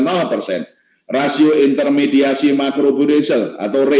enam melanjutkan rasio intermediasi makro budensil atau rbi